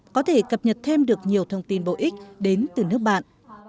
có thể cập nhật thêm được nhiều thông tin bổ ích đến từ nước bạn